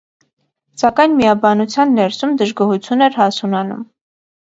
Սակայն միաբանության ներսում դժգոհություն էր հասունանում։